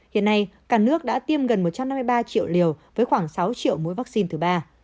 hiện nay cả nước đã tiêm gần một trăm năm mươi ba triệu liều với khoảng sáu triệu mũi vaccine thứ ba